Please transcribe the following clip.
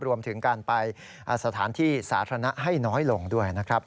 รวมถึงการไปสถานที่สาธารณะให้น้อยลงด้วยนะครับ